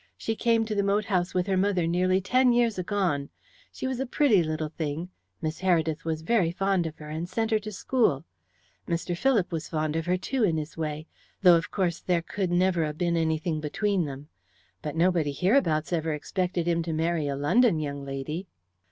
She came to the moat house with her mother nearly ten years agone. She was a pretty little thing. Miss Heredith was very fond of her, and sent her to school. Mr. Philip was fond of her too, in his way, though, of course, there could never a'been anything between them. But nobody hereabouts ever expected him to marry a London young lady."